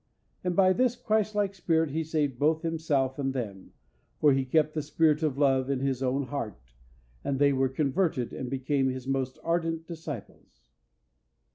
And by this Christlike spirit he saved both himself and them, for he kept the spirit of love in his own heart, and they were converted and became his most ardent disciples.